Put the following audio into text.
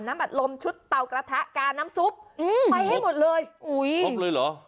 อัดลมชุดเตากระทะกาน้ำซุปอืมไปให้หมดเลยอุ้ยชมเลยเหรอ